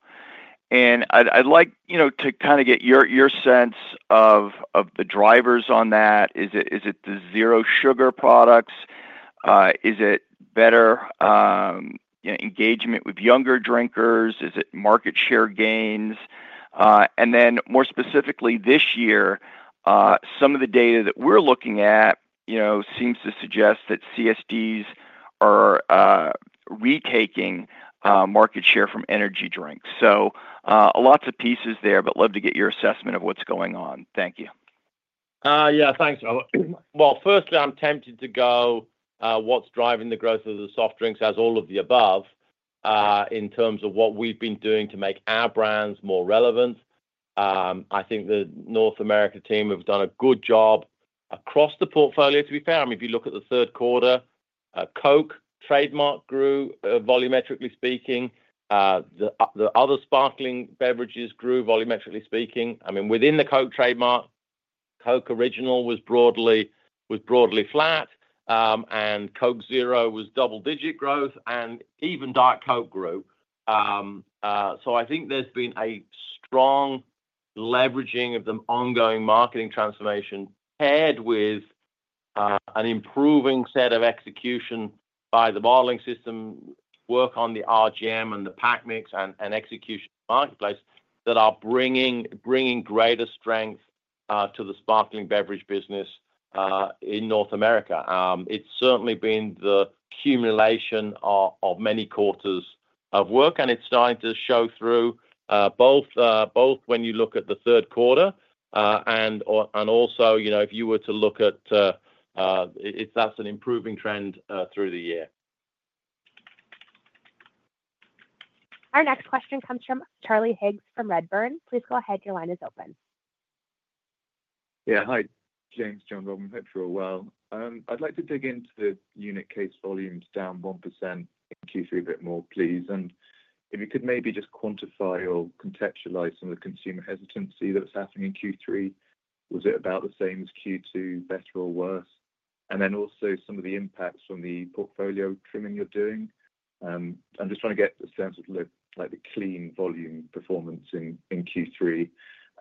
and I'd like, you know, to kinda get your sense of the drivers on that. Is it the zero sugar products? Is it better, you know, engagement with younger drinkers? Is it market share gains, and then more specifically this year, some of the data that we're looking at, you know, seems to suggest that CSDs are retaking market share from energy drinks, so lots of pieces there, but love to get your assessment of what's going on. Thank you. Yeah, thanks, Robert. Well, firstly, I'm tempted to go, what's driving the growth of the soft drinks as all of the above, in terms of what we've been doing to make our brands more relevant. I think the North America team have done a good job across the portfolio, to be fair. I mean, if you look at the third quarter, Coke Trademark grew, volumetrically speaking. The other sparkling beverages grew, volumetrically speaking. I mean, within the Coke Trademark, Coke Original was broadly flat, and Coke Zero was double-digit growth, and even Diet Coke grew. I think there's been a strong leveraging of the ongoing marketing transformation, paired with an improving set of execution by the bottling system, work on the RGM and the pack mix and execution marketplace, that are bringing greater strength to the sparkling beverage business in North America. It's certainly been the accumulation of many quarters of work, and it's starting to show through both when you look at the third quarter and also, you know, if you were to look at it, that's an improving trend through the year. Our next question comes from Charlie Higgs from Redburn. Please go ahead. Your line is open. Yeah, hi, James, John, Robert, hope you're all well. I'd like to dig into the unit case volumes down 1% in Q3 a bit more, please. And if you could maybe just quantify or contextualize some of the consumer hesitancy that was happening in Q3. Was it about the same as Q2, better or worse? And then also some of the impacts from the portfolio trimming you're doing. I'm just trying to get a sense of the, like, the clean volume performance in Q3.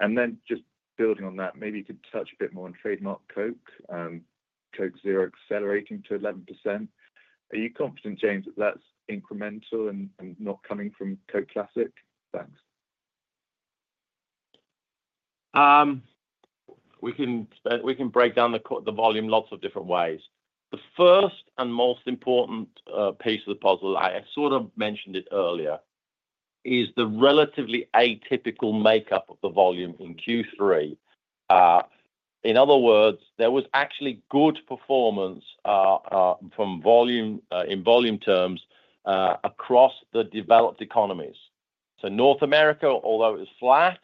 And then just building on that, maybe you could touch a bit more on Trademark Coke, Coke Zero accelerating to 11%. Are you confident, James, that that's incremental and not coming from Coke Classic? Thanks. We can break down the volume lots of different ways. The first and most important piece of the puzzle, I sort of mentioned it earlier, is the relatively atypical makeup of the volume in Q3. In other words, there was actually good performance from volume in volume terms across the developed economies. So North America, although it was flat,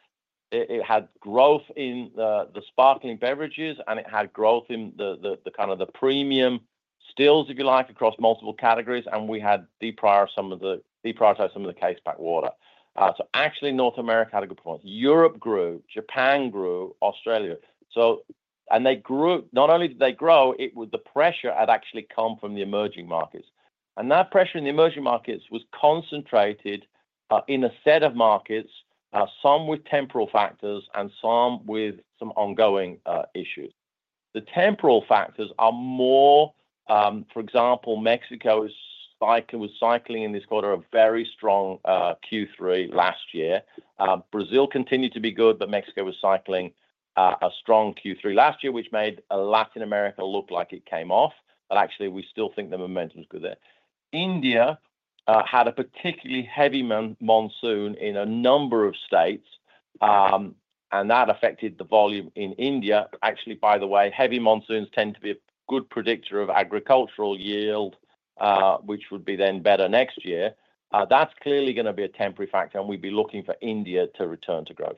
it had growth in the sparkling beverages, and it had growth in the kind of premium stills, if you like, across multiple categories, and we had deprioritized some of the case pack water. So actually, North America had a good point. Europe grew, Japan grew, Australia. So. And they grew. Not only did they grow, it was the pressure had actually come from the emerging markets. And that pressure in the emerging markets was concentrated in a set of markets, some with temporal factors and some with ongoing issues. The temporal factors are more for example, Mexico was cycling in this quarter, a very strong Q3 last year. Brazil continued to be good, but Mexico was cycling a strong Q3 last year, which made Latin America look like it came off. But actually, we still think the momentum is good there. India had a particularly heavy monsoon in a number of states, and that affected the volume in India. Actually, by the way, heavy monsoons tend to be a good predictor of agricultural yield, which would be then better next year. That's clearly going to be a temporary factor, and we'd be looking for India to return to growth.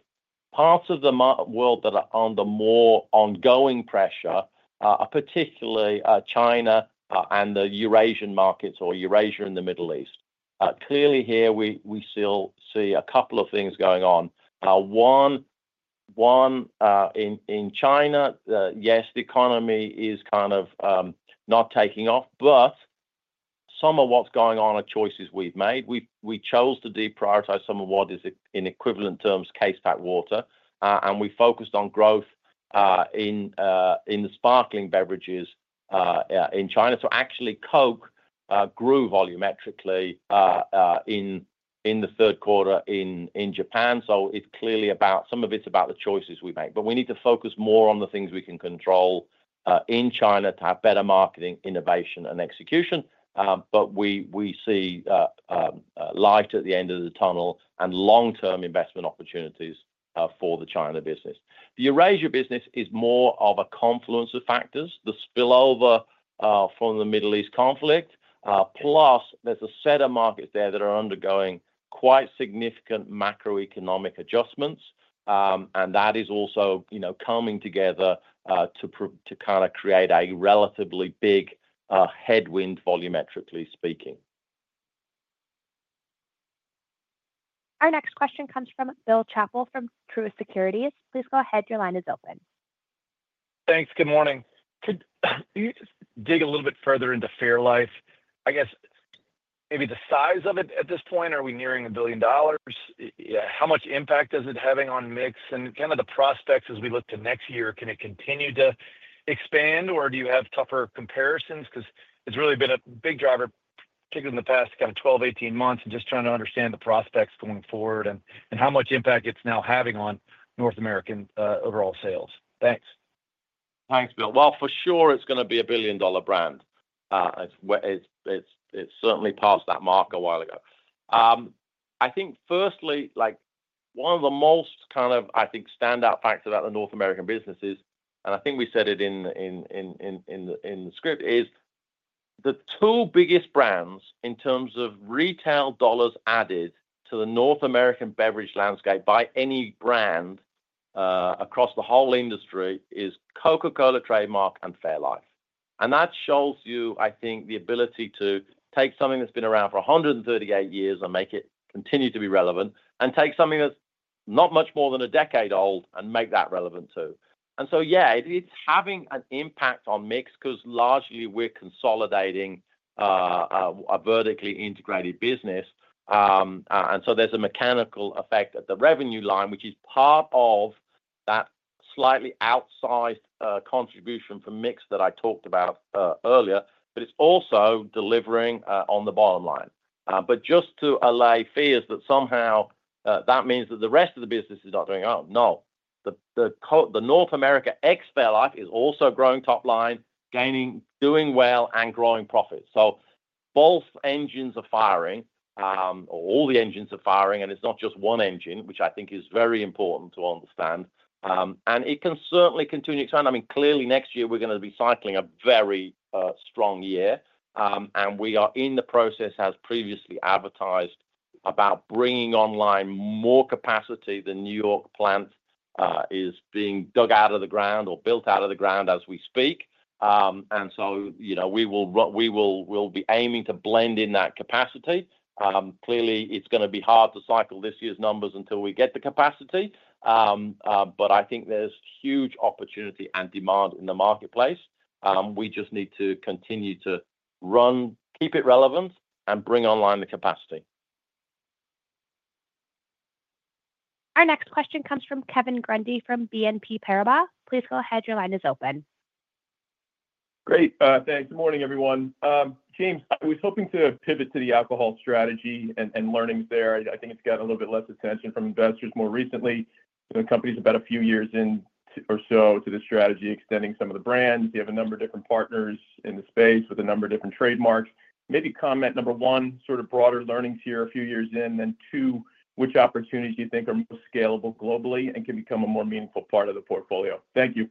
Parts of the world that are under more ongoing pressure are particularly China and the Eurasian markets or Eurasia and the Middle East. Clearly here, we still see a couple of things going on. One, in China, yes, the economy is kind of not taking off, but some of what's going on are choices we've made. We chose to deprioritize some of what is, in equivalent terms, case pack water, and we focused on growth in the sparkling beverages in China. So actually, Coke grew volumetrically in the third quarter in Japan, so it's clearly about some of it is about the choices we make. But we need to focus more on the things we can control in China to have better marketing, innovation, and execution. But we see light at the end of the tunnel and long-term investment opportunities for the China business. The Eurasia business is more of a confluence of factors, the spillover from the Middle East conflict. Plus, there's a set of markets there that are undergoing quite significant macroeconomic adjustments, and that is also, you know, coming together to kind of create a relatively big headwind, volumetrically speaking. Our next question comes from Bill Chappell, from Truist Securities. Please go ahead. Your line is open. Thanks. Good morning. Could you just dig a little bit further into fairlife? I guess maybe the size of it at this point. Are we nearing a billion dollars? Yeah, how much impact is it having on mix and kind of the prospects as we look to next year, can it continue to expand, or do you have tougher comparisons? Because it's really been a big driver, particularly in the past kind of 12, 18 months, and just trying to understand the prospects going forward and how much impact it's now having on North America overall sales. Thanks. Thanks, Bill. Well, for sure, it's going to be a billion-dollar brand. It's certainly past that mark a while ago. I think firstly, like, one of the most kind of, I think, standout facts about the North American businesses, and I think we said it in the script, is the two biggest brands in terms of retail dollars added to the North American beverage landscape by any brand across the whole industry is Trademark Coca-Cola and fairlife. And that shows you, I think, the ability to take something that's been around for a hundred and thirty-eight years and make it continue to be relevant, and take something that's not much more than a decade old and make that relevant, too. And so, yeah, it's having an impact on mix because largely we're consolidating a vertically integrated business. And so there's a mechanical effect at the revenue line, which is part of that slightly outsized contribution from mix that I talked about earlier, but it's also delivering on the bottom line. But just to allay fears that somehow that means that the rest of the business is not doing well, no. The North America ex-fairlife is also growing top line, gaining, doing well, and growing profits. So both engines are firing, or all the engines are firing, and it's not just one engine, which I think is very important to understand. And it can certainly continue to turn. I mean, clearly, next year we're going to be cycling a very strong year, and we are in the process, as previously advertised, about bringing online more capacity. The New York plant is being dug out of the ground or built out of the ground as we speak. And so, you know, we will, we'll be aiming to blend in that capacity. Clearly, it's going to be hard to cycle this year's numbers until we get the capacity, but I think there's huge opportunity and demand in the marketplace. We just need to continue to run, keep it relevant, and bring online the capacity. Our next question comes from Kevin Grundy from BNP Paribas. Please go ahead. Your line is open. Great. Thanks. Good morning, everyone. James, I was hoping to pivot to the alcohol strategy and learnings there. I think it's got a little bit less attention from investors more recently. You know, the company's about a few years in or so to the strategy, extending some of the brands. You have a number of different partners in the space with a number of different trademarks. Maybe comment, number one, sort of broader learnings here a few years in, then two, which opportunities you think are most scalable globally and can become a more meaningful part of the portfolio? Thank you.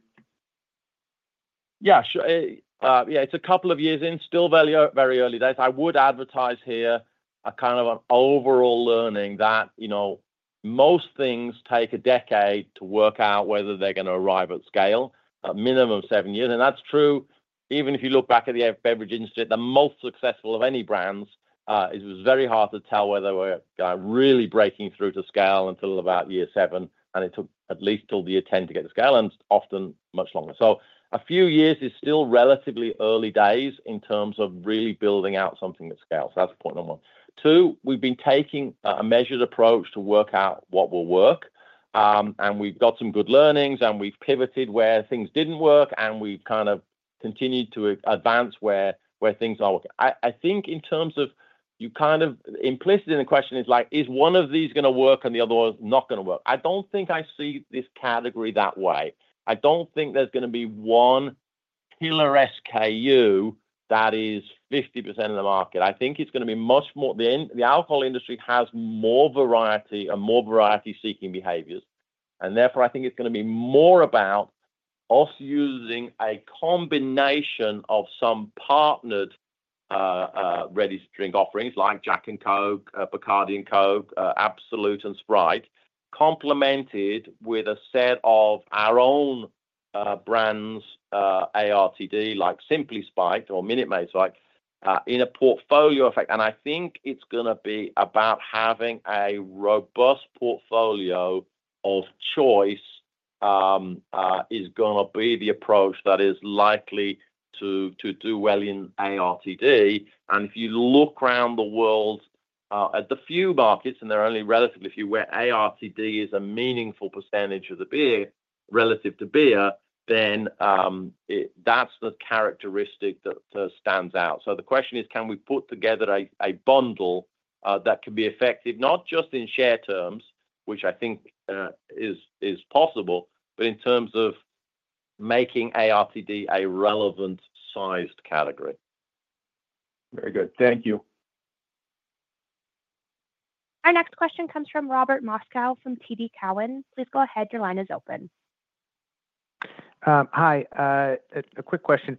Yeah, sure. Yeah, it's a couple of years in, still very early days. I would advertise here a kind of an overall learning that, you know, most things take a decade to work out whether they're gonna arrive at scale, a minimum of seven years. And that's true, even if you look back at the beverage industry, the most successful of any brands, it was very hard to tell whether we're really breaking through to scale until about year seven, and it took at least till year ten to get to scale, and often much longer. So a few years is still relatively early days in terms of really building out something that scales. So that's point number one. Two, we've been taking a measured approach to work out what will work. And we've got some good learnings, and we've pivoted where things didn't work, and we've kind of continued to advance where things are working. I think in terms of you kind of, implicit in the question is, like, is one of these gonna work and the other one not gonna work? I don't think I see this category that way. I don't think there's gonna be one killer SKU that is 50% of the market. I think it's gonna be much more. The alcohol industry has more variety and more variety-seeking behaviors, and therefore, I think it's gonna be more about us using a combination of some partnered ready-to-drink offerings, like Jack & Coke, BACARDÍ and Coke, Absolut and Sprite, complemented with a set of our own brands, ARTD, like Simply Spiked or Minute Maid, like, in a portfolio effect, and I think it's gonna be about having a robust portfolio of choice is gonna be the approach that is likely to do well in ARTD, and if you look around the world at the few markets, and there are only relatively few, where ARTD is a meaningful percentage of the beer, relative to beer, then, it, that's the characteristic that stands out. The question is: Can we put together a bundle that can be effective, not just in share terms, which I think is possible, but in terms of making ARTD a relevant-sized category? Very good. Thank you. Our next question comes from Robert Moskow from TD Cowen. Please go ahead. Your line is open. Hi, a quick question.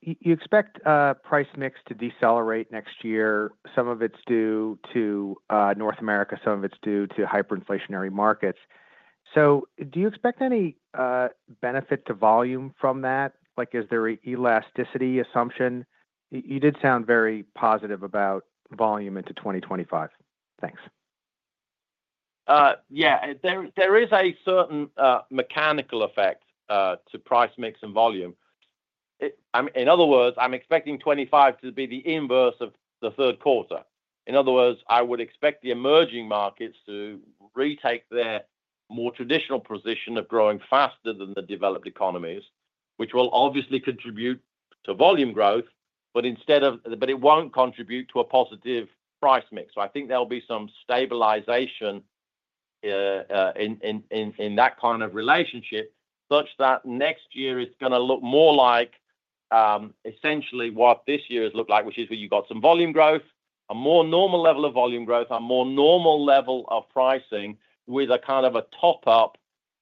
You expect price mix to decelerate next year. Some of it's due to North America, some of it's due to hyperinflationary markets. So do you expect any benefit to volume from that? Like, is there an elasticity assumption? You did sound very positive about volume into 2025. Thanks. Yeah, there is a certain mechanical effect to price, mix, and volume. In other words, I'm expecting 2025 to be the inverse of the third quarter. In other words, I would expect the emerging markets to retake their more traditional position of growing faster than the developed economies, which will obviously contribute to volume growth, but it won't contribute to a positive price mix. So I think there'll be some stabilization in that kind of relationship, such that next year is gonna look more like essentially what this year's looked like, which is where you got some volume growth, a more normal level of volume growth, a more normal level of pricing, with a kind of a top up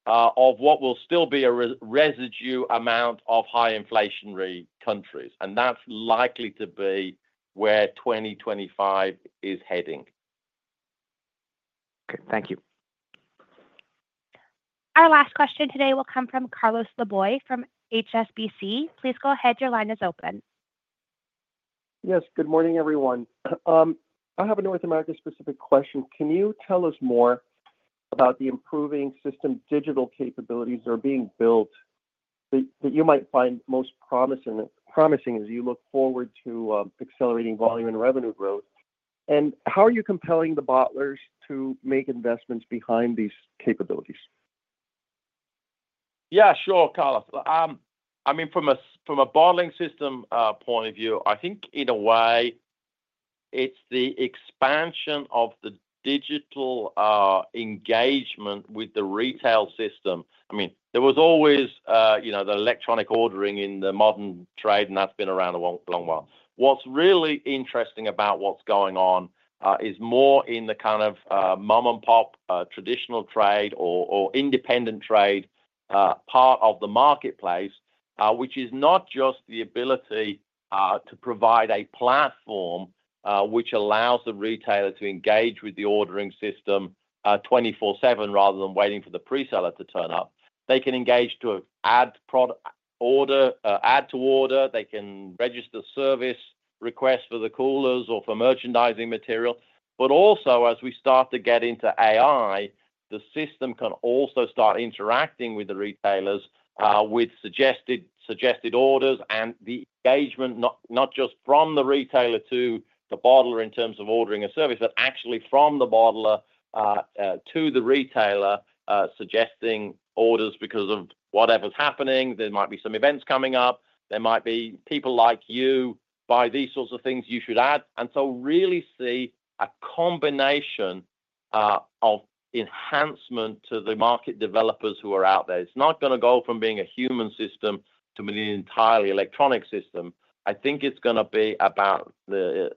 of what will still be a residual amount of high inflationary countries, and that's likely to be where 2025 is heading. Okay. Thank you. Our last question today will come from Carlos Laboy from HSBC. Please go ahead. Your line is open. Yes, good morning, everyone. I have a North America-specific question. Can you tell us more about the improving system digital capabilities that are being built that you might find most promising as you look forward to accelerating volume and revenue growth? And how are you compelling the bottlers to make investments behind these capabilities? Yeah, sure, Carlos. I mean, from a bottling system point of view, I think in a way it's the expansion of the digital engagement with the retail system. I mean, there was always, you know, the electronic ordering in the modern trade, and that's been around a long, long while. What's really interesting about what's going on is more in the kind of mom-and-pop traditional trade or independent trade part of the marketplace. Which is not just the ability to provide a platform which allows the retailer to engage with the ordering system twenty-four/seven, rather than waiting for the pre-seller to turn up. They can engage to add product order, add to order, they can register service requests for the coolers or for merchandising material. But also, as we start to get into AI, the system can also start interacting with the retailers with suggested orders and the engagement, not just from the retailer to the bottler in terms of ordering a service, but actually from the bottler to the retailer suggesting orders because of whatever's happening. There might be some events coming up. There might be people like you buy these sorts of things you should add. And so really see a combination of enhancement to the market developers who are out there. It's not gonna go from being a human system to being an entirely electronic system. I think it's gonna be about the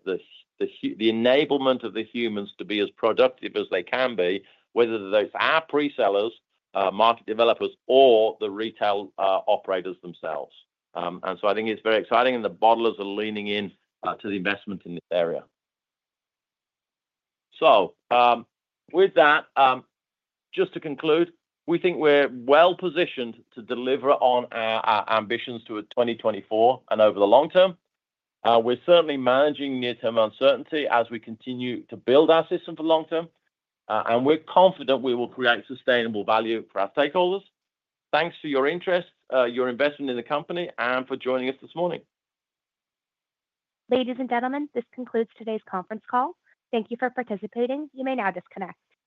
enablement of the humans to be as productive as they can be, whether those are pre-sellers, market developers, or the retail operators themselves. And so I think it's very exciting, and the bottlers are leaning in to the investment in this area. So, with that, just to conclude, we think we're well positioned to deliver on our ambitions to 2024 and over the long term. We're certainly managing near-term uncertainty as we continue to build our system for long term, and we're confident we will create sustainable value for our stakeholders. Thanks for your interest, your investment in the company, and for joining us this morning. Ladies and gentlemen, this concludes today's conference call. Thank you for participating. You may now disconnect.